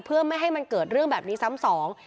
เพื่อไม่ให้มันเกิดเรื่องแบบนี้ซ้ำสอง